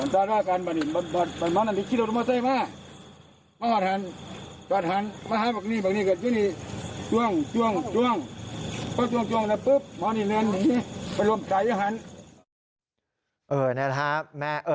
จ้วงน้อยฮึบนานหนึ่งนี่ไปลบสายยาหัน